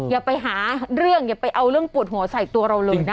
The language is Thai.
อย่าไปหาเรื่องอย่าไปเอาเรื่องปวดหัวใส่ตัวเราเลยนะคะ